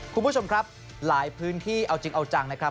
คุณผู้ชมครับหลายพื้นที่เอาจริงเอาจังนะครับ